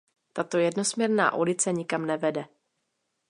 Tato jednosměrná ulice nikam nevede.